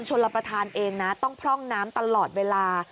รับประทานเองนะต้องพร่องน้ำตลอดเวลา